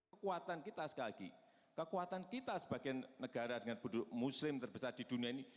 kekuatan kita sekali lagi kekuatan kita sebagai negara dengan penduduk muslim terbesar di dunia ini